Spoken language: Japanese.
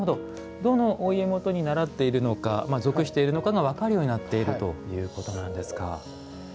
どのお家元にならっているのか属しているのかが分かるようになっているということなんですか。